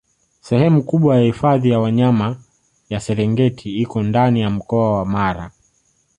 Sehemu kubwa ya hifadhi ya Wanyama ya Serengeti iko ndani ya mkoa wa Mara